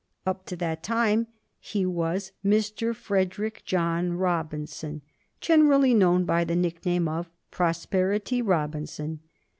Up to that time he was Mr. Frederick John Robinson, generally known by the nickname of "Prosperity Robinson."